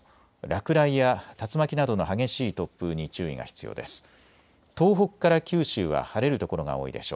落雷や竜巻などの激しい突風に注意が必要です。